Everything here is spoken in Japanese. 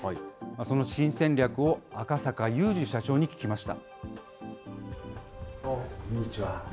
その新戦略を赤坂祐二社長に聞きました。